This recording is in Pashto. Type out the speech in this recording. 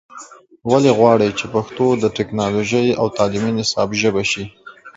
ولې غواړئ چې پښتو د ټیکنالوژی او تعلیمي نصاب ژبه شي